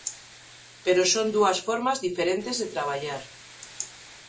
Pero son dúas formas diferentes de traballar.